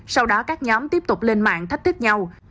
sau đó các nhóm tiếp tục lên mạng thách thức nhau